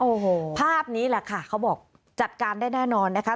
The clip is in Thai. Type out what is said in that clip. โอ้โหภาพนี้แหละค่ะเขาบอกจัดการได้แน่นอนนะคะ